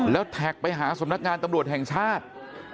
แล้วแท็กไปหาสำนักงานตำรวจแห่งชาติ